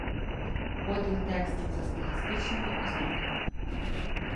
Поділ текстів за стилістичнимим ознаками